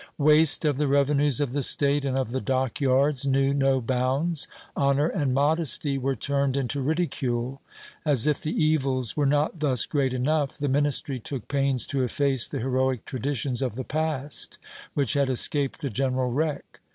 Waste of the revenues of the State and of the dock yards knew no bounds. Honor and modesty were turned into ridicule. As if the evils were not thus great enough, the ministry took pains to efface the heroic traditions of the past which had escaped the general wreck.